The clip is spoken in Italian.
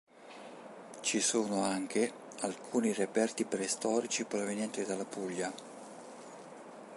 Ci sono anche alcuni reperti preistorici provenienti dalla Puglia.